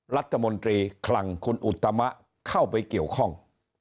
รัฐมนตรีคลังคุณอุตมะเข้าไปเกี่ยวข้อง